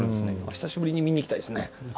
久しぶりに見に行きたいですね。